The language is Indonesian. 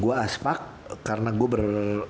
gue aspak karena gue ber